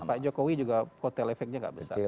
pak jokowi juga kotel efeknya nggak besar